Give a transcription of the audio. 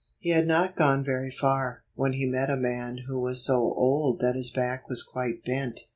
He had not gone very far, when he met a man who was so old that his back was quite bent.